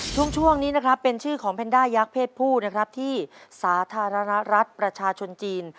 ช่วงนี้นะครับเป็นชื่อของแพนด้ายักษ์เพศผู้นะครับที่สาธารณรัฐประชาชนจีน